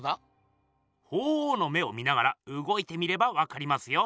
鳳凰の目を見ながらうごいてみればわかりますよ。